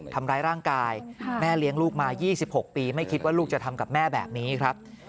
ทำร้ายร่างกายแม่เลี้ยงลูกมา๒๖ปีไม่คิดว่าลูกจะทำกับแม่แบบนี้ครับ